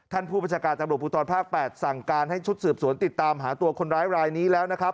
ผู้บัญชาการตำรวจภูทรภาค๘สั่งการให้ชุดสืบสวนติดตามหาตัวคนร้ายรายนี้แล้วนะครับ